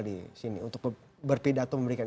di sini untuk berpidato memberikan